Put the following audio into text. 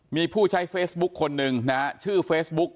มีผู้ใช้เฟซบุ๊คคนหนึ่งนะฮะชื่อเฟซบุ๊ก